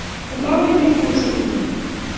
Olawendi kosubwon